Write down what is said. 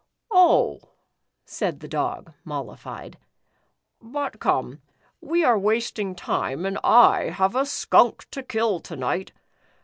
" "Oh," said the Dog, mollified. "But come, we are wasting time, and I have a skunk to kill to night.